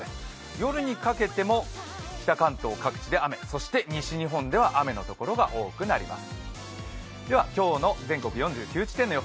夜にかけても、北関東各地で雨そして西日本では雨のところが多くなります。